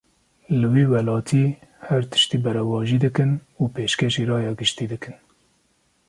Li vî welatî, her tiştî berevajî dikin û pêşkêşî raya giştî dikin